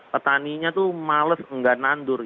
petaninya tuh males nggak nandur